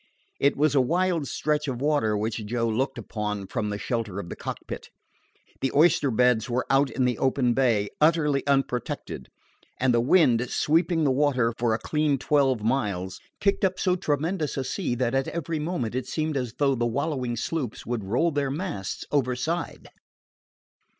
It was a wild stretch of water which Joe looked upon from the shelter of the cockpit. The oyster beds were out in the open bay, utterly unprotected, and the wind, sweeping the water for a clean twelve miles, kicked up so tremendous a sea that at every moment it seemed as though the wallowing sloops would roll their masts overside.